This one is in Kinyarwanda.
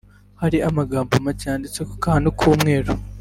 hari amagambo make yanditse ku kantu k’umweru